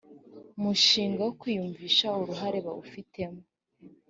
mushinga wo kwiyumvisha uruhare bawufitemo